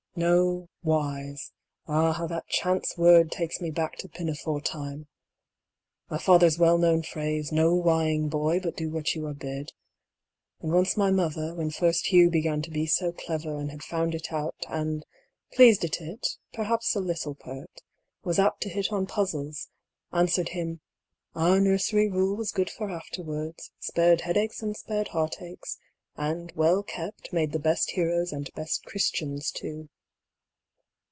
No whys; ah how that chance word takes me back to pinafore time — my father's well known phrase "No whying, boy, but do what you are bid." And once my mother, when first Hugh began to be so clever, and had found it out and, pleased at it, perhaps a little pert, was apt to hit on puzzles, answered him "our nursery rule was good for afterwards, spared headaches and spared heartaches, and, well kept, made the best heroes and best Christians too.''